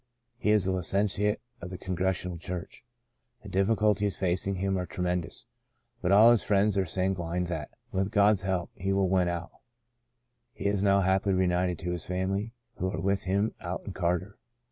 He is a licentiate of the Congrega tional Church. The difficulties facing him are tremendous, but all his friends are sanguine that, with God's help, he will win out. He is now happily reunited to his family, who are with him out in Carter.